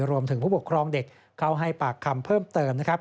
รวมถึงผู้ปกครองเด็กเข้าให้ปากคำเพิ่มเติมนะครับ